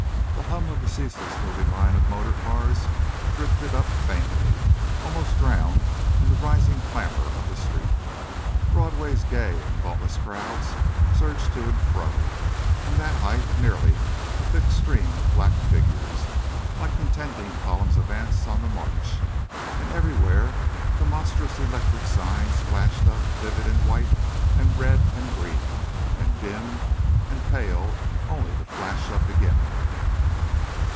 The hum of the ceaseless moving line of motor cars drifted upward faintly, almost drowned in the rising clamor of the street. Broadway's gay and thoughtless crowds surged to and fro, from that height merely a thick stream of black figures, like contending columns of ants on the march. And everywhere the monstrous electric signs flared up vivid in white and red and green; and dimmed and paled, only to flash up again.